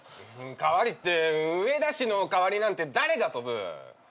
代わりって上田氏の代わりなんて誰が飛ぶ？